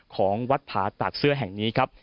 ของวัดผาตากเสื้อแห่งนี้ครับ